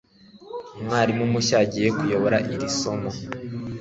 Umwarimu mushya agiye kuyobora iri somo.